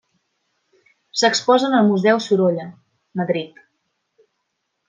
S'exposa en el Museu Sorolla, Madrid.